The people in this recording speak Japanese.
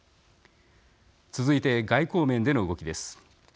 続いて外交面での動きです。